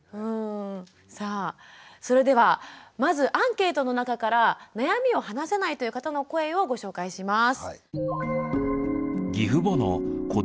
さあそれではまずアンケートの中から悩みを話せないという方の声をご紹介します。